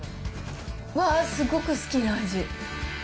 わー、すごく好きな味。